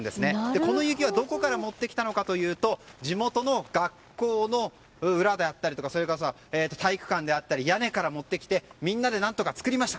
この雪はどこから持ってきたのかというと地元の学校の裏であったり体育館であったり屋根から持ってきてみんなで何とか作りました。